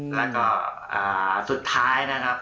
แล้วก็สุดท้ายนะครับ